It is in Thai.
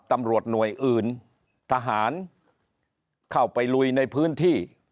ตำรวจหน่วยอื่นทหารเข้าไปลุยในพื้นที่